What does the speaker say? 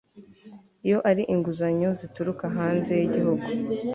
Iyo ari inguzanyo zituruka hanze y Igihugu